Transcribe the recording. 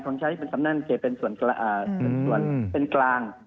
ความใช้เป็นสำนักนำเกตเป็นส่วนเป็นกลาง